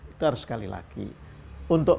itu harus sekali lagi untuk